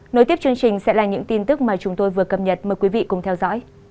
nối tiếp chương trình sẽ là những tin tức mà chúng tôi vừa cập nhật mời quý vị cùng theo dõi